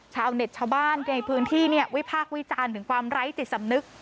ชาวเน็ตชาวบ้านในพื้นที่เนี่ยวิพากษ์วิจารณ์ถึงความไร้จิตสำนึก